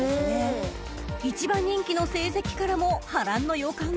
［１番人気の成績からも波乱の予感が］